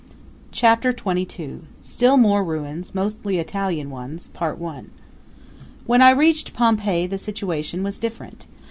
Chapter XXII Still More Ruins, Mostly Italian Ones When I reached Pompeii the situation was different.